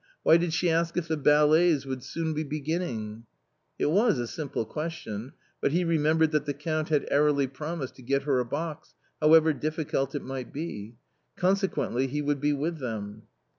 Why did she ask if the ballets would soon be beginning ?" It was a simple question ; but he remembered that the Count had airily promised to get her a box, however difficult it might be ; consequently he would be with them.